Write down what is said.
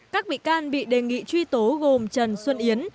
các bị can bị đề nghị truy tố gồm trần xuân yến